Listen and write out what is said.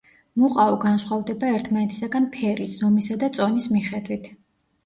მუყაო განსხვავდება ერთმანეთისაგან ფერის, ზომის და წონის მიხედვით.